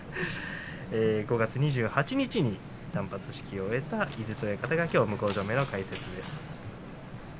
５月２８日に断髪式を終えた井筒親方がきょう向正面の解説です。